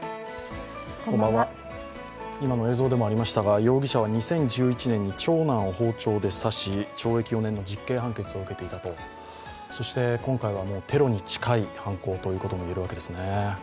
今の映像でもありましたが、容疑者は２０１１年に長男を包丁で刺し懲役４年の実刑判決を受けていたと今回はテロに近い犯行ということも言えるわけですね。